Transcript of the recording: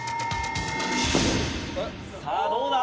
さあどうだ？